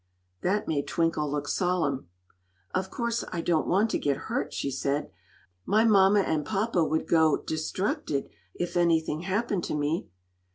That made Twinkle look solemn. "Of course I don't want to get hurt," she said. "My mama and papa would go di_struc_ted if anything happened to me."